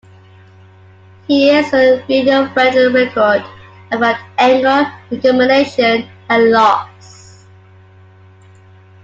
Here is a radio-friendly record about anger, recrimination, and loss.